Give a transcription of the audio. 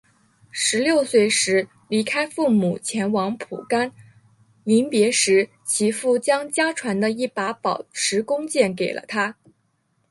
十六岁时离开父母前往蒲甘临别时其父将家传的一把宝石弓箭给了他。